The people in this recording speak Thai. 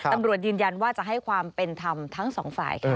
ตำรวจยืนยันว่าจะให้ความเป็นธรรมทั้งสองฝ่ายค่ะ